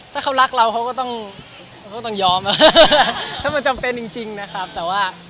ถ้าเขารักเราเขาก็ต้องยอมถ้ามันจำเป็นจริงนะครับแต่ว่า